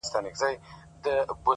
گلاب دی گل دی زړه دی د چا